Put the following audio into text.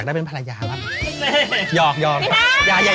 สดตอนแรกกินแค่เนว้วหอยเชลล์อย่างเดียว